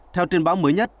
theo truyền báo mới nhất